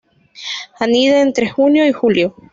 Anida entre junio y julio.